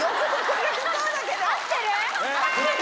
合ってる？